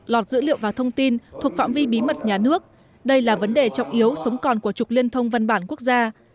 lọt dữ liệu và thông tin thuộc phạm vi bí mật nhà nước đây là vấn đề trọng yếu sống còn của trục liên thông văn bản quốc gia